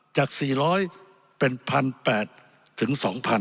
จาก๔๐๐เป็น๑๘๐๐ถึง๒๐๐